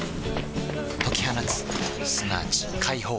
解き放つすなわち解放